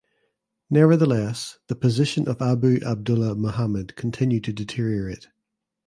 Nevertheless the position of Abu Abdullah Muhammad continued to deteriorate.